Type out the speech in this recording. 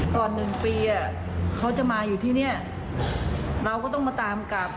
ก่อนหนึ่งปีเขาจะมาอยู่ที่นี่เราก็ต้องมาตามกลับ